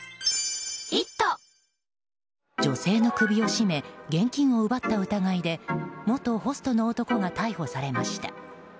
女性の首を絞め現金を奪った疑いで元ホストの男が逮捕されました。